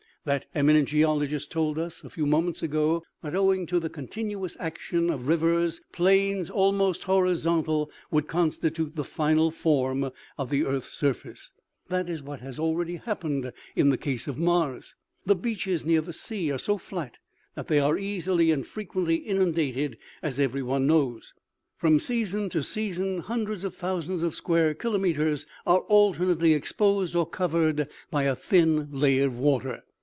That eminent geologist told us a few moments ago, that, owing to the continuous action of riv ers, plains almost horizontal would constitute the final form of the earth's surface. That is what has already happened in the case of Mars. The beaches near the sea are so flat that they are easily and frequently inundated, as every one knows. From season to season hundreds of thousands of square kilometers are alternately exposed or covered by a thin layer of water.